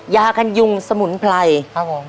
ยากันยุงสมุนไพร